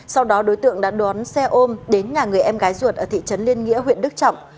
sau đó đối tượng đã đón xe ôm đến nhà người em gái ruột ở thị trấn liên nghĩa huyện đức trọng